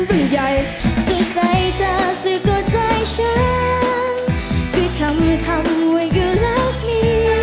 ร้องได้ยกกำลังซ่า